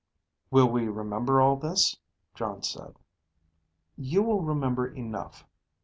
"Will we remember all this?" Jon asked. "You will remember enough.